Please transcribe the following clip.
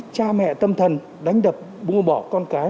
cha mẹ tâm thần đánh đập bu bỏ con cái